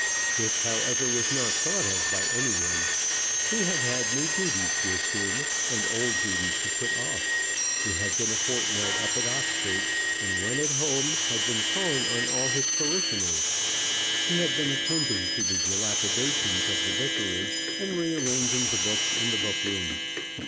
This, however, was not thought of by any one. He had had new duties to assume, and old duties to put off. He had been a fortnight up at Oxford; and when at home, had been calling on all his parishioners. He had been attending to the dilapidations of the vicarage, and rearranging the books in the book room.